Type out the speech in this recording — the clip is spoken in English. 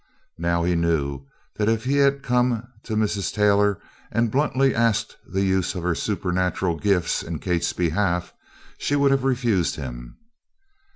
Now, he knew that if he had come to Mrs. Taylor and bluntly asked the use of her supernatural gifts in Kate's behalf she would have refused him.